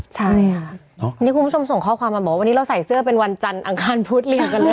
ใช่ค่ะนี่คุณผู้ชมส่งข้อความมาบอกว่าวันนี้เราใส่เสื้อเป็นวันจันทร์อังคารพุธเรียนกันเลย